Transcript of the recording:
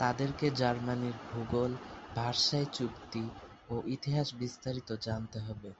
তাদেরকে জার্মানির ভূগোল, ভার্সাই চুক্তি ও ইতিহাস বিস্তারিত জানতে হবে।